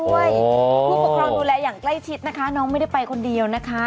ผู้ปกครองดูแลอย่างใกล้ชิดนะคะน้องไม่ได้ไปคนเดียวนะคะ